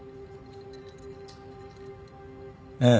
ええ。